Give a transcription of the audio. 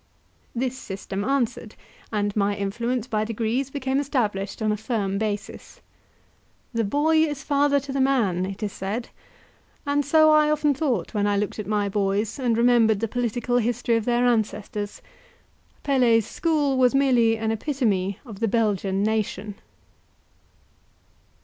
This system answered, and my influence, by degrees, became established on a firm basis. "The boy is father to the man," it is said; and so I often thought when looked at my boys and remembered the political history of their ancestors. Pelet's school was merely an epitome of the Belgian nation.